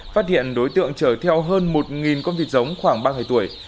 phát hiện đối tượng chở theo hơn một con vịt giống khoảng ba ngày tuổi